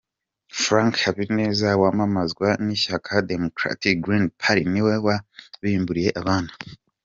Franck Habineza wamamazwa n'ishyaka Democratic Green Party ni we wabimburiye abandi.